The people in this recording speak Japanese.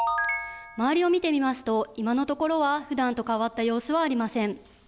周りを見てみますと、今のところはふだんと変わった様子はありません。